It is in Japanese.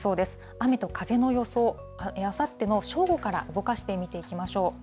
雨と風の予想、あさっての正午から動かして見ていきましょう。